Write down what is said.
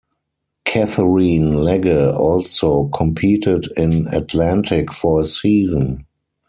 Katherine Legge also competed in Atlantic for a season.